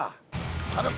頼む！